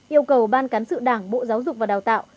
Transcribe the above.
yêu cầu ban cán sự đảng bộ giáo dục và đào tạo